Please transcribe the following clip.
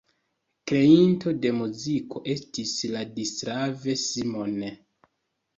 Kreinto de muziko estis Ladislav Simon.